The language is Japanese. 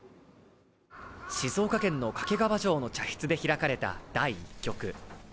静岡県の掛川城の茶室で開かれた第１局。